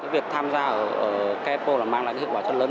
việc tham gia ở k expo là mang lại những hiệu quả chất lớn